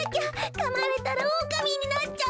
かまれたらおおかみになっちゃう。